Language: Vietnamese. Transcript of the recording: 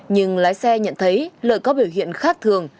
nhưng lái xe nhận thấy lợi có biểu hiện khác thường